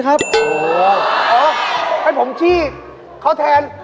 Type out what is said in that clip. ไม่มีอะไรของเราเล่าส่วนฟังครับพี่